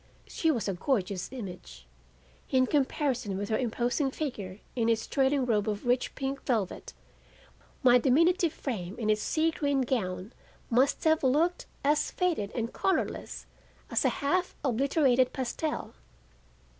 She was a gorgeous image. In comparison with her imposing figure in its trailing robe of rich pink velvet, my diminutive frame in its sea green gown must have looked as faded and colorless as a half obliterated pastel.